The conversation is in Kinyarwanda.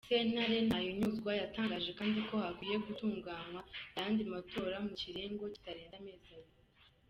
Sentare ntahinyuzwa yatangaje kandi ko hakwiye gutunganywa ayandi matora mu kiringo kitarenze amezi abiri.